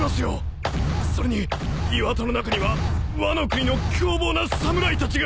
それに岩戸の中にはワノ国の凶暴な侍たちが。